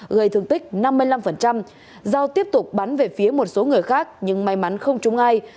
gây thương tích năm mươi năm giao tiếp tục bắn về phía một số người khác nhưng may mắn không trúng ai